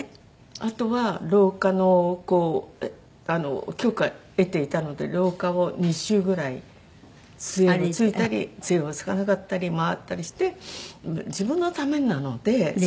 あとは廊下の許可得ていたので廊下を２周ぐらい杖をついたり杖をつかなかったり回ったりして自分のためなのでそれをして。